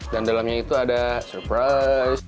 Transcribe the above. dan dalamnya itu ada surprise